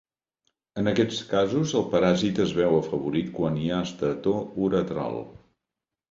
En aquests casos, el paràsit es veu afavorit quan hi ha estretor uretral.